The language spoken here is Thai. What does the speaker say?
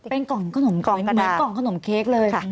เป็นกล่องขนมกล่องขนมเค้กเลย